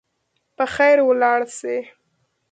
په خیر ولاړ سئ.